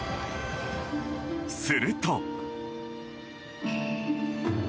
すると。